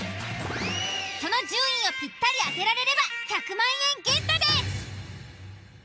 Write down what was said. その順位をぴったり当てられれば１００万円ゲットです。